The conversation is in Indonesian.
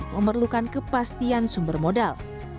dan memerlukan kepastian sumber modal